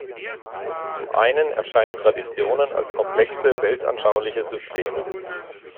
Zum einen erscheinen Traditionen als komplexe weltanschauliche Systeme.